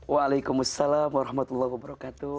waalaikumsalam warahmatullahi wabarakatuh